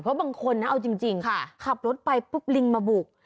เพราะบางคนนะเอาจริงขับรถไปปุ๊บลิงมาบุก